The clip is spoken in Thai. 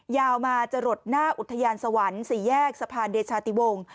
ยาวมาจะหลดหน้าอุทยานสวรรค์๔แยกสะพานเดชาติวงศ์